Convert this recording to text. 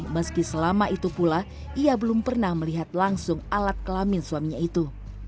meski selama itu pula ia belum pernah melihat langsung alat kelamin suaminya itu